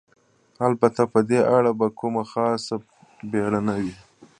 البته په دې اړه به کومه خاصه بېړه نه وي.